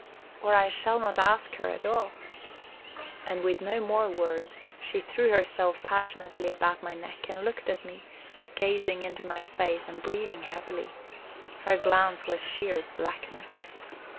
Or I shall not ask her at all." And with no more words she threw herself passionately about my neck, and looked at me, gazing into my face and breathing heavily. Her glance was sheer blackness.